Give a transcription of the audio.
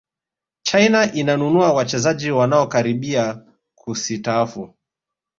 china inanununua wachezaji wanaokaribia kusitaafu